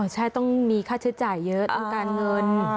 ใช่ต้องมีค่าใช้จ่ายเยอะทั้งการเงิน